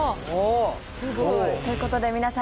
すごい！という事で皆さん